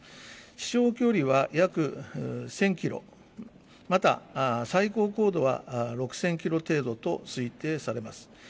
飛しょう距離は約１０００キロ、また、最高高度は６０００キロ程度と推定されます。